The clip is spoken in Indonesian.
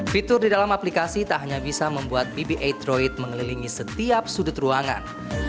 fitur di dalam aplikasi tak hanya bisa membuat bba droid mengelilingi setiap sudut ruangan